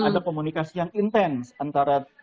ada komunikasi yang intens antara